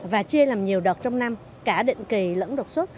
và chia làm nhiều đợt trong năm cả định kỳ lẫn đột xuất